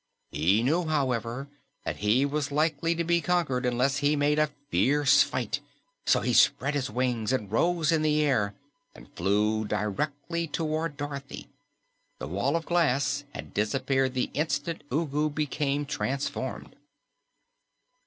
He knew, however, that he was likely to be conquered unless he made a fierce fight, so he spread his wings and rose in the air and flew directly toward Dorothy. The Wall of Glass had disappeared the instant Ugu became transformed.